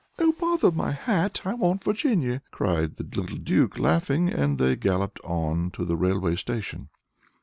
"Oh, bother my hat! I want Virginia!" cried the little Duke, laughing, and they galloped on to the railway station.